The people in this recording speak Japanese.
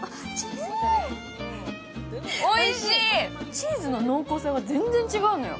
チーズの濃厚さが全然違うのよ。